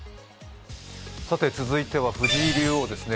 続いては、藤井竜王ですね。